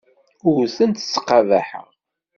Ur tent-ttqabaḥeɣ.